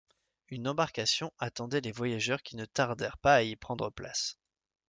Une embarcation attendait les voyageurs qui ne tardèrent pas à y prendre place.